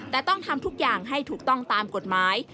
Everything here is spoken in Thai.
แต่ต้องทำทุกอย่างให้ถูกต้องตามกฎหมาย